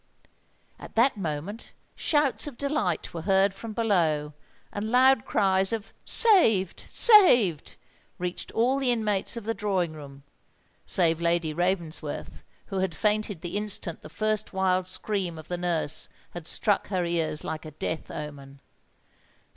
At that moment shouts of delight were heard from below; and loud cries of "Saved! saved!" reached all the inmates of the drawing room—save Lady Ravensworth, who had fainted the instant the first wild scream of the nurse had struck her ears like a death omen.